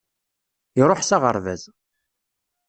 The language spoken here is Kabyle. Iruḥ s aɣerbaz.